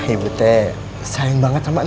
ibu teh sayang banget sama